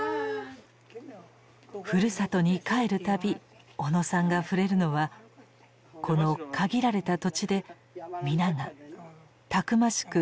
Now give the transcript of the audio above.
ふるさとに帰る度小野さんが触れるのはこの限られた土地で皆がたくましく過酷な環境を生き抜いてきた記憶です。